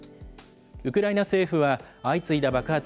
ウクライナ政府は、相次いだ爆発